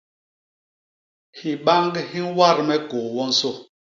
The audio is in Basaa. Hibañg hi ñwat me kôô wonsô.